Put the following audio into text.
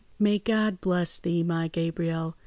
"May God bless thee, my Gabriel!"